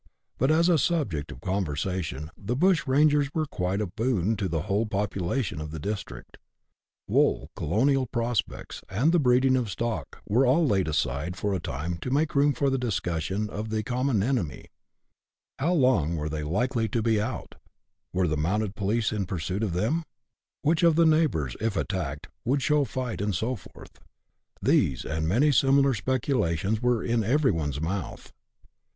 But as a subject of conversation, the bushrangers were quite a boon to the whole population of the district: wool, colonial prospects, and the breeding of stock, were all laid aside for a time to make room for the discussion of the common enemy :— how long they were likely to be " out ;" were the mounted police in pursuit of them; which of the neighbours, if attacked, would show fight, and so forth ; these, and many similar speculations, were in every one's mouth.